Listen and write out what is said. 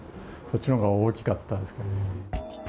そっちの方が大きかったですけどね。